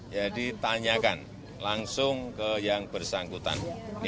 jadi tanyakan langsung ke yang bersangkutan